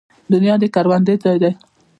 دنیا د کروندې ځای دی